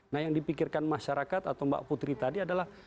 nah yang dipikirkan masyarakat atau mbak putri tadi adalah